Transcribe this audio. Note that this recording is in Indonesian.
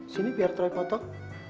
sini biar terlalu kotor